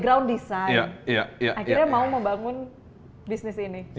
karena dari kesukaan tanpa background desain akhirnya mau membangun bisnis ini